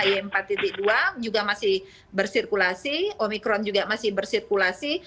i empat dua juga masih bersirkulasi omikron juga masih bersirkulasi